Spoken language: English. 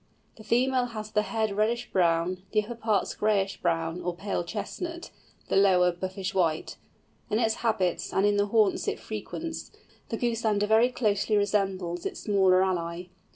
The female has the head reddish brown, the upper parts grayish brown or pale chestnut, the lower buffish white. In its habits and in the haunts it frequents, the Goosander very closely resembles its smaller ally.